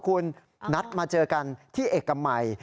คุณนัดมาเจอกันที่เอกมัย